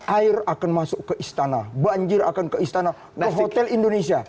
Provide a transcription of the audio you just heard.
dua ribu dua puluh lima air akan masuk ke istana banjir akan ke istana ke hotel indonesia